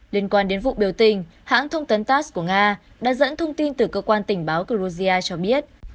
liên quan đến vụ biểu tình hãng thông tấn tass của nga đã dẫn thông tin từ cơ quan tình báo ceorgia cho biết